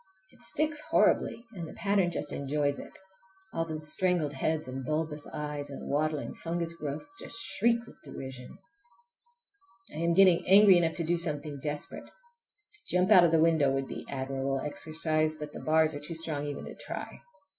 It sticks horribly and the pattern just enjoys it! All those strangled heads and bulbous eyes and waddling fungus growths just shriek with derision! I am getting angry enough to do something desperate. To jump out of the window would be admirable exercise, but the bars are too strong even to try.